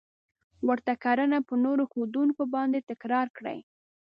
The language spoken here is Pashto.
ورته کړنه په نورو ښودونکو باندې تکرار کړئ.